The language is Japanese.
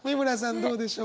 どうでしょう？